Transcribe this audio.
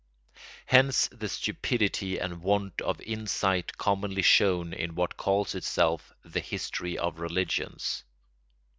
Hence the stupidity and want of insight commonly shown in what calls itself the history of religions.